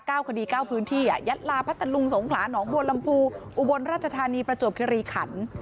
ก้าวคดีก้าวพื้นที่อ่ะยัดลาพระตรรุงสงขลานองค์บวนลำพูอุบวนราชธานีประจวบครีศรีขันต์